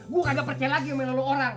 gua kagak percaya lagi sama lu orang